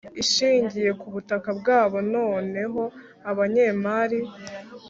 ishingiye ku butaka bwabo noneho abanyemari